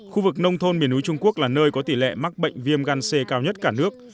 khu vực nông thôn miền núi trung quốc là nơi có tỷ lệ mắc bệnh viêm gan c cao nhất cả nước